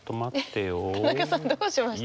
田中さんどうしました？